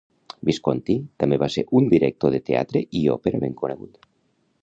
Visconti també va ser un director de teatre i òpera ben conegut.